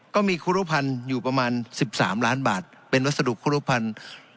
ก็มีครูรุภัณฑ์อยู่ประมาณ๑๓ล้านบาทเป็นวัสดุครูพันธุ์